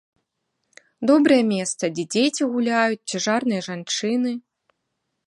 Добрае месца, дзе дзеці гуляюць, цяжарныя жанчыны.